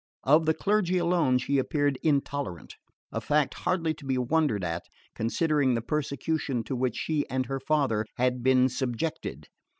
Of the clergy alone she appeared intolerant: a fact hardly to be wondered at, considering the persecution to which she and her father have been subjected.